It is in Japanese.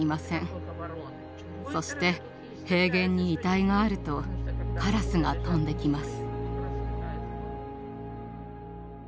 そして平原に遺体があるとカラスが飛んできます。